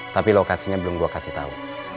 tapi lokasinya belum gue kasih tahu